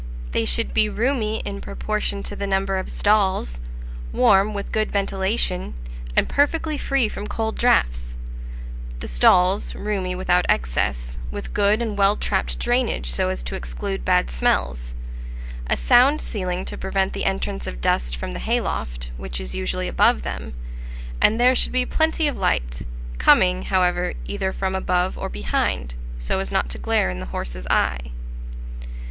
They should be roomy in proportion to the number of stalls; warm, with good ventilation, and perfectly free from cold draughts; the stalls roomy, without excess, with good and well trapped drainage, so as to exclude bad smells; a sound ceiling to prevent the entrance of dust from the hayloft, which is usually above them; and there should be plenty of light, coming, however, either from above or behind, so as not to glare in the horse's eye.